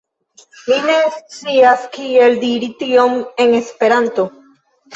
Mi ne scias kiel diri tion en Esperanto.